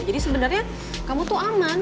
jadi sebenernya kamu tuh aman